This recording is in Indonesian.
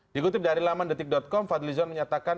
dikutip dari laman detik com fadlizon menyatakan